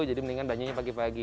jadi mendingan belanjanya pagi pagi